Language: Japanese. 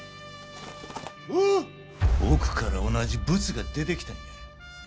おう⁉奥から同じブツが出て来たんや。